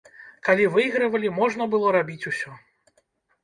Калі выйгравалі, можна было рабіць усё.